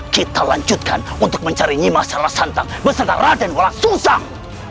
kita lanjutkan untuk mencari nyimah sarasantang besantang raden walang susang